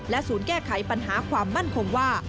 ศูนย์แก้ไขปัญหาความมั่นคงว่า